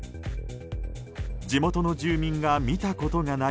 地元の住民が見たことがない